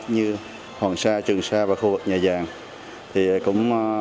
như hoàng sa trường sa và khu vực nhà giàng